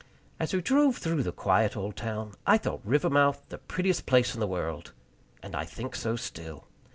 As we drove through the quiet old town, I thought Rivermouth the prettiest place in the world; and I think so still.